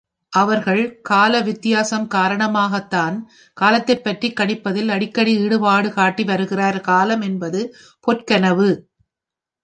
அவர்கள் காலவித்தியாசம் காரணமாகத்தான், காலத்தைப்பற்றிக் கணிப்பதில் அடிக்கடி ஈடுபாடு காட்டி வருகிறார் காலம் என்பது பொற்கனவு.